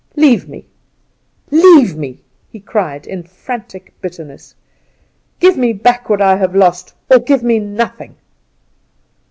Leave me! Leave me!" he cried in frantic bitterness. "Give me back what I have lost, or give me nothing."